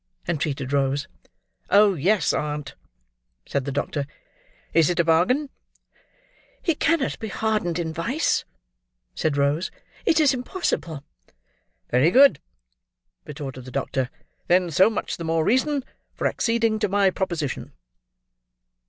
entreated Rose. "Oh yes, aunt!" said the doctor. "Is is a bargain?" "He cannot be hardened in vice," said Rose; "It is impossible." "Very good," retorted the doctor; "then so much the more reason for acceding to my proposition."